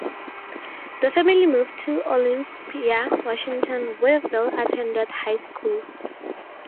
The family moved to Olympia, Washington, where Vail attended high school.